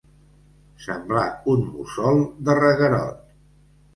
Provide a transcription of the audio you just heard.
Semblar un mussol de reguerot.